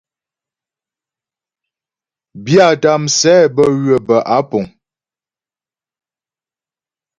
Byâta msɛ bə́ ywə̌ bə́ á puŋ.